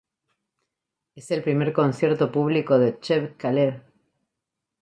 Es el primer concierto público de Cheb Khaled.